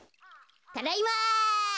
ただいま！